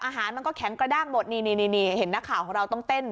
อาหารมันก็แข็งกระด้างหมดนี่เห็นนักข่าวของเราต้องเต้น